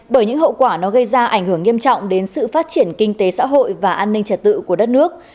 bởi những hậu quả nó gây ra ảnh hưởng nghiêm trọng đến sự phát triển kinh tế xã hội và an ninh trật tự của đất nước